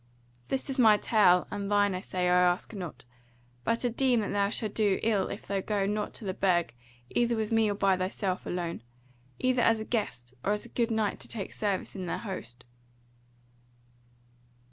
"This is my tale, and thine, I say, I ask not; but I deem that thou shalt do ill if thou go not to the Burg either with me or by thyself alone; either as a guest, or as a good knight to take service in their host."